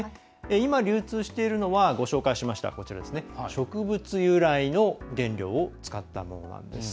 今、流通しているのはご紹介しました植物由来の原料を使ったものなんです。